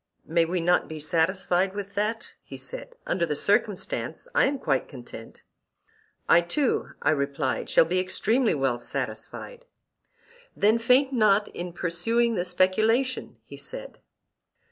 May we not be satisfied with that? he said;—under the circumstances, I am quite content. I too, I replied, shall be extremely well satisfied. Then faint not in pursuing the speculation, he said.